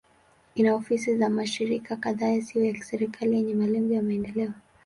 Ina ofisi za mashirika kadhaa yasiyo ya kiserikali yenye malengo ya maendeleo.